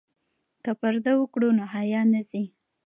که پرده وکړو نو حیا نه ځي.